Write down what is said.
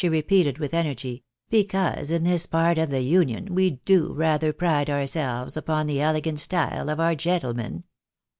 repeated witli energy, " because in this part of the Union, we do rather pride ourselves upon the elegant style of our gentlemen.